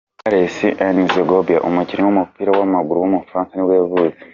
Charles N'Zogbia, umukinnyi w’umupira w’amaguru w’umufaransa nibwo yavutse.